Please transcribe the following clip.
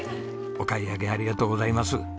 お買い上げありがとうございます。